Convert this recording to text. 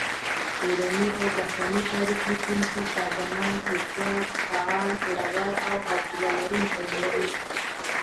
کورني او بهرني تاریخ لیکونکي شاه زمان هوښیار، فعال، زړور او حوصله لرونکی بولي.